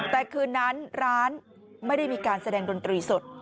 แต่คืนนั้นร้านไม่ได้มีการแสดงดนตรีสด